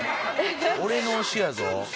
俺の推しやぞ」